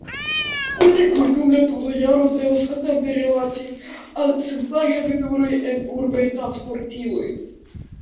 Kunikloj dum la tuta jaro devas atente rilati al senpagaj veturoj en urbaj transportiloj.